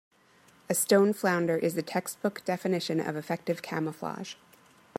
A stone flounder is the textbook definition of effective camouflage.